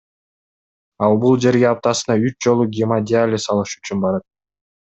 Ал бул жерге аптасына үч жолу гемодиализ алыш үчүн барат.